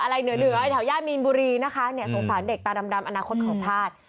เหนือเหนือแถวย่ามีนบุรีนะคะเนี่ยสงสารเด็กตาดำอนาคตของชาติ